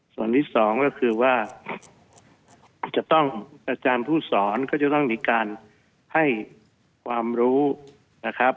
ส่วนที่สองก็คือว่าจะต้องอาจารย์ผู้สอนก็จะต้องมีการให้ความรู้นะครับ